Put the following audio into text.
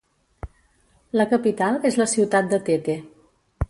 La capital és la ciutat de Tete.